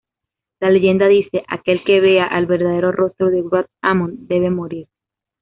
La leyenda dice "¡Aquel que vea el verdadero rostro de Wrath-Amon debe morir!